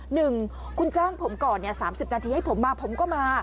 หนึ่งคุณจ้างผมก่อน๓๐นาทีให้ผมมาผมก็มา